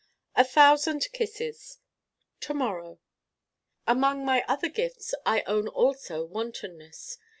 A thousand kisses To morrow Among my other gifts I own also Wantonness.